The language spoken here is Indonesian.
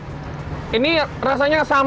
hging dua tahun selam